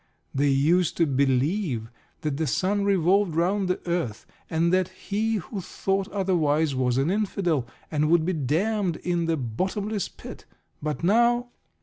They used to believe that the sun revolved round the earth, and that he who thought otherwise was an Infidel, and would be damned in the "bottomless pit." But now